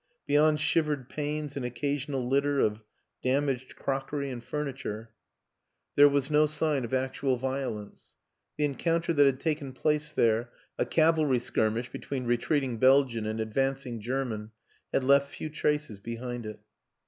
Beyond shivered panes and occasional litter of damaged crockery and furniture there 98 WILLIAM AN ENGLISHMAN was no sign of actual violence ; the encounter that had taken place there a cavalry skirmish be tween retreating Belgian and advancing German had left few traces behind it.